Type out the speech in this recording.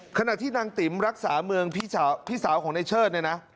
ขณะที่นางติ๋มรักษาเมืองพี่สาวของในเชิดเนี่ยนะ